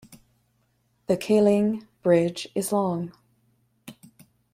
The Kylling Bridge is long.